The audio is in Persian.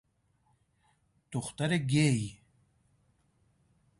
دخترگی